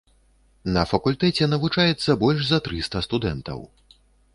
На факультэце навучаецца больш за трыста студэнтаў.